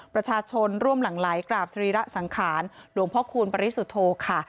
ประชาชนร่วมหลั่งไหลกราบสรีระสังขารหลวงพ่อคูณปริสุทธโธค่ะ